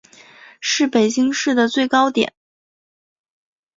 是北京市的最高点。